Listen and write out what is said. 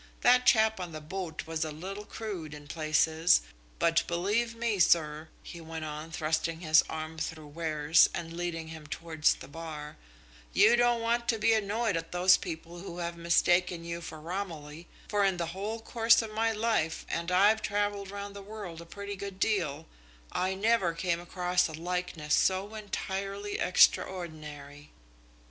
That chap on the boat was a little crude in places, but believe me, sir," he went on, thrusting his arm through Ware's and leading him towards the bar, "you don't want to be annoyed at those people who have mistaken you for Romilly, for in the whole course of my life, and I've travelled round the world a pretty good deal, I never came across a likeness so entirely extraordinary."